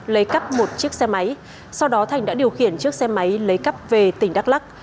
lấy cắp một chiếc xe máy sau đó thành đã điều khiển chiếc xe máy lấy cắp về tỉnh đắk lắc